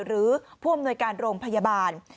หรือผู้อำนวยการโรงพยาบาล